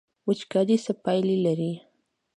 وچکالي څه پایلې لري؟